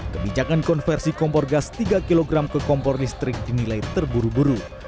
kebijakan konversi kompor gas tiga kg ke kompor listrik dinilai terburu buru